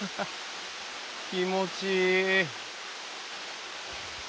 気持ちいい。